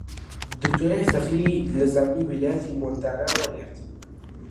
دکتۆرای فەخری لە زانکۆی ویلایەتی مۆنتانا وەرگرت